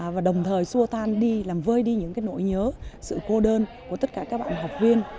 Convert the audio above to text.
và đồng thời xua tan đi làm vơi đi những cái nỗi nhớ sự cô đơn của tất cả các bạn học viên